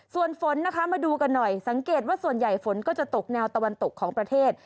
ส่วนฝนนะคะมาดูกันหน่อยสังเกตว่าส่วนใหญ่ฝนก็จะตกแนวตะวันตกของประเทศ